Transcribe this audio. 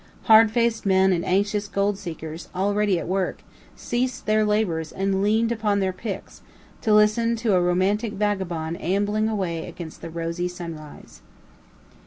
Hard faced men and anxious gold seekers, already at work, ceased their labors and leaned upon their picks, to listen to a romantic vagabond ambling away against the rosy sunrise.